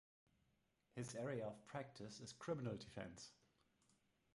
His area of practice is Criminal Defense.